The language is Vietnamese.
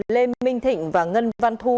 lê minh thịnh và ngân văn thu